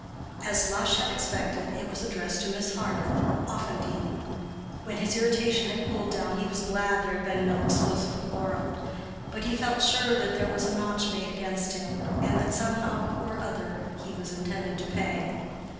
As Lush had expected, it was addressed to Miss Harleth, Offendene. When his irritation had cooled down he was glad there had been no explosive quarrel; but he felt sure that there was a notch made against him, and that somehow or other he was intended to pay.